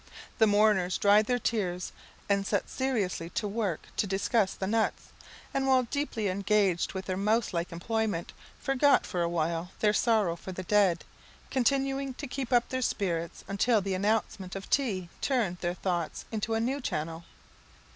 The mourners dried their tears, and set seriously to work to discuss the nuts, and while deeply engaged with their mouse like employment, forgot for awhile their sorrow for the dead, continuing to keep up their spirits until the announcement of tea turned their thoughts into a new channel.